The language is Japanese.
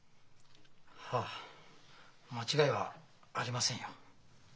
はあ間違いはありませんよ。